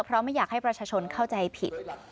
เพราะไม่อยากให้ประชาชนเข้าใจผิด